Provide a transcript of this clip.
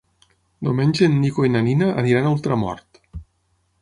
Diumenge en Nico i na Nina aniran a Ultramort.